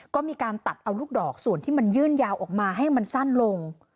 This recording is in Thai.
ก็มีการตัดเอาลูกดอกส่วนที่มันยื่นยาวออกมาให้มันสั้นลง